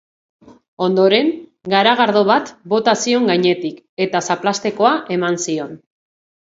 Ondoren, garagardo bat bota zion gainetik eta zaplaztekoa eman zion.